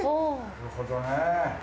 なるほどね。